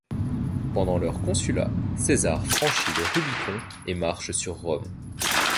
Pendant leur consulat, César franchit le Rubicon et marche sur Rome.